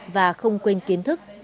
và không quên kiến thức